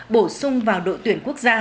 bổ sung vào đội tuyển quốc gia